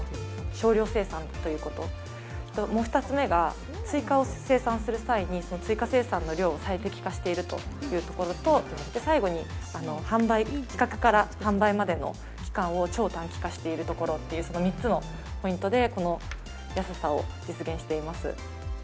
少量生産ということと、もう２つ目が、追加を生産する際に追加生産の量を最適化しているというところと、最後に販売、企画から販売までの期間を超短期化しているところっていう、その３つのポイントでこの安さを実現しています。